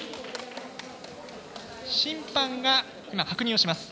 審判が今確認をします。